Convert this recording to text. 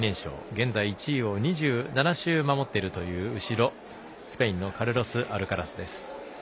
現在１位を２７週守っているという後ろ、スペインのカルロス・アルカラスです。